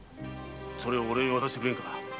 それをおれに渡してくれぬか。